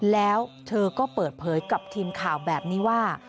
แล้วเธอก็เปิดเผยกับทีมข่าวแบบนี้ว่า